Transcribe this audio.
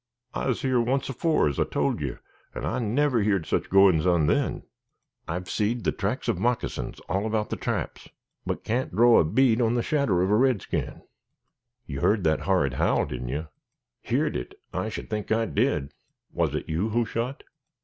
"I's here once afore, as I told yer, and I never heerd sich goin's on then. I've seed the tracks of moccasins all about the traps, but can't draw bead on the shadder of a redskin." "You heard that horrid howl, didn't you?" "Heerd it! I should think I did." "Was it you who shot?"